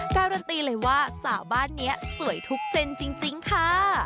การันตีเลยว่าสาวบ้านนี้สวยทุกเจนจริงค่ะ